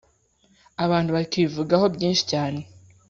. Abantu bakivugaho byinshicyane